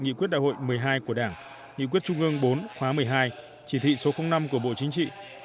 nghị quyết đại hội một mươi hai của đảng nghị quyết trung ương bốn khóa một mươi hai chỉ thị số năm của bộ chính trị